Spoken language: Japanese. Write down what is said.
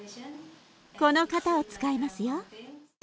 この型を使いますよ。